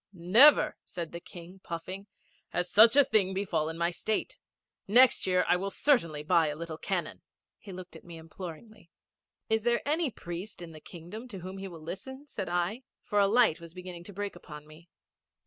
'Never,' said the King, puffing, 'has such a thing befallen my State. Next year I will certainly buy a little cannon.' He looked at me imploringly. 'Is there any priest in the Kingdom to whom he will listen?' said I, for a light was beginning to break upon me.